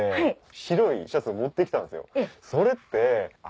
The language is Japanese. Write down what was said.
白いシャツを持ってきたんですよ。